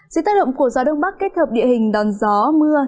dưới tác động của gió đông bắc kết hợp địa hình đòn gió mưa